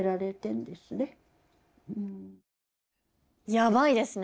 やばいですね。